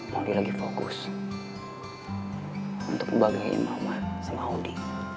mau lagi fokus untuk bagain mama sama udi